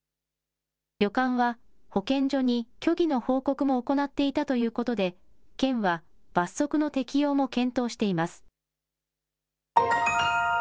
旅館は保健所に虚偽の報告も行っていたということで県は罰則の適用も検討しています。